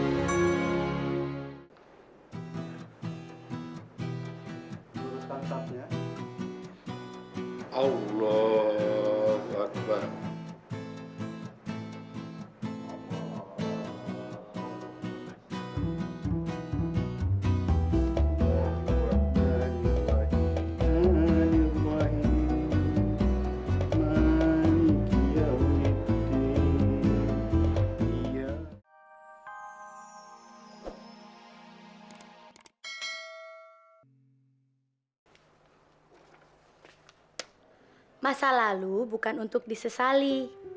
masa lalu bukan untuk disesali